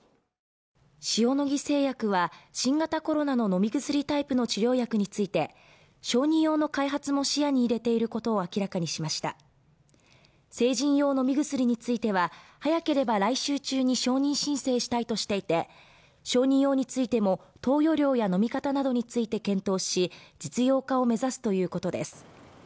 塩野義製薬は新型コロナの飲み薬タイプの治療薬について小児用の開発も視野に入れていることを明らかにしました成人用飲み薬については早ければ来週中に承認申請したいとしていて小児用についても投与量や飲み方などについて検討し実用化を目指すということです